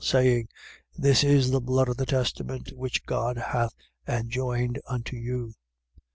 9:20. Saying: This is the blood of the testament which God hath enjoined unto you.